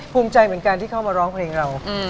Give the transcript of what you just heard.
ภูมิใจเหมือนกันที่เข้ามาร้องเพลงเรา